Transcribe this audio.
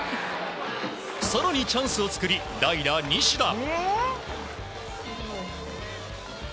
更にチャンスを作り代打、西田。